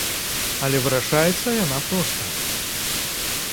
Але вырашаецца яна проста.